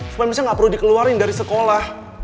supaya michelle gak perlu dikeluarin dari sekolah